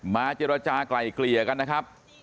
เจรจากลายเกลี่ยกันนะครับ